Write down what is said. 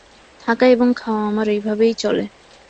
থাকা এবং খাওয়া আমার এইভাবেই চলে।